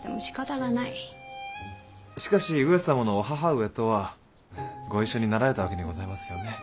しかし上様のお母上とはご一緒になられたわけにございますよね。